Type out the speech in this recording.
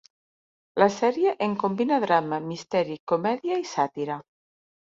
La sèrie en combina drama, misteri, comèdia i sàtira.